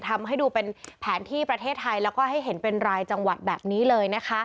ทำให้ดูเป็นแผนที่ประเทศไทยแล้วก็ให้เห็นเป็นรายจังหวัดแบบนี้เลยนะคะ